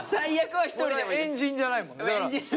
円陣じゃないもん。